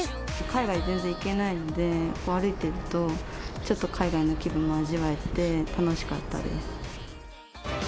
海外全然行けないので、歩いてると、ちょっと海外の気分を味わえて楽しかったです。